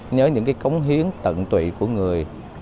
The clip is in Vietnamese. nhớ những cái cống hiến tận tụy của người